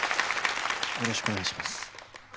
よろしくお願いします。